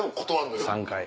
３回。